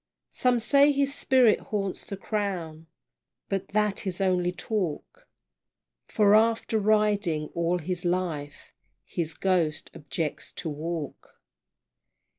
Some say his spirit haunts the Crown, But that is only talk For after riding all his life, His ghost objects to walk!